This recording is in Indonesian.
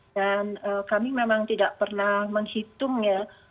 dan kami memang tidak pernah menghitung ya